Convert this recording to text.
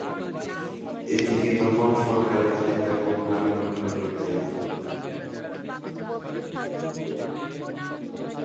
এদিকে তখন সরকারের হাতে ব্যাপক গ্রামীণ উন্নয়নের দায়িত্ব।